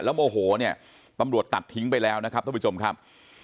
โมโหเนี่ยตำรวจตัดทิ้งไปแล้วนะครับท่านผู้ชมครับ